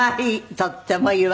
とってもいいわ。